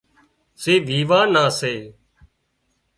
زي ويوان نا سي